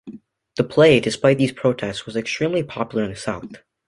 The play, despite these protests, was extremely popular in the South.